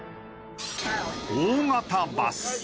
大型バス。